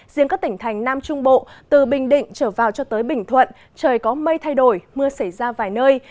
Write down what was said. riêng các tỉnh thành nam trung bộ từ bình định trở vào cho tới bình thuận trời có mây thay đổi mưa xảy ra vài nơi